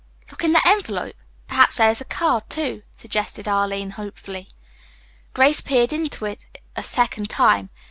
"Look in the envelope. Perhaps there is a card, too," suggested Arline hopefully. Grace peered into it a second time.